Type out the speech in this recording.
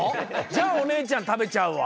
じゃあおねえちゃんたべちゃうわ！